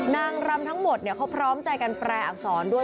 นางรำทั้งหมดเขาพร้อมใจกันแปลอักษรด้วย